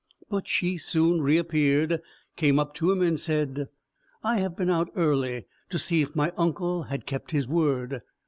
But she soon reappeared, came up to him, and said, "I have been out early, to see if my uncle had kept his word.